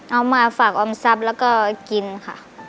เอามาฝากออมทรัพย์แล้วก็กินค่ะ